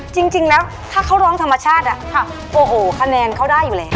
จริงแล้วถ้าเขาร้องธรรมชาติโอ้โหคะแนนเขาได้อยู่แล้ว